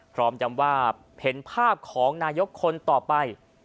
ยำว่าเห็นภาพของนายกคนต่อไป